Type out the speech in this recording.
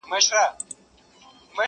که نسيم الوزي اِېرې اوروي٫